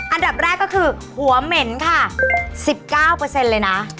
อันดับแรกก็คือหัวเหม็นค่ะ๑๙เลยนะ